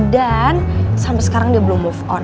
dan sampai sekarang dia belum move on